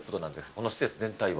この施設全体は。